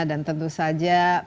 dan tentu saja masyarakatnya